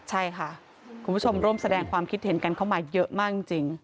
ใช่ค่ะคุณผู้ชมร่วมแสดงความคิดเห็นกันเข้ามาเยอะมากจริง